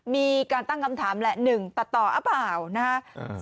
มีการตั้งคำถามแหละหนึ่งตัดต่อเปล่านะฮะ